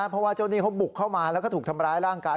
เพราะว่าเจ้าหนี้เขาบุกเข้ามาแล้วก็ถูกทำร้ายร่างกาย